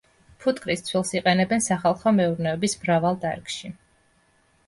ფუტკრის ცვილს იყენებენ სახალხო მეურნეობის მრავალ დარგში.